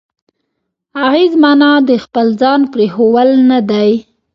اغېز معنا د خپل ځان پرېښوول نه دی.